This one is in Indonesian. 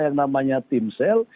yang namanya timsel